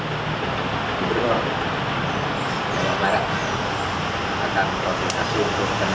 gubernur jawa barat akan mengadakan terapat